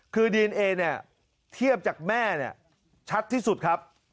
คือดีเอนเอเนี่ยเทียบจากแม่เนี่ยชัดที่สุดครับ